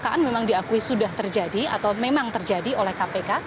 pemeriksaan memang diakui sudah terjadi atau memang terjadi oleh kpk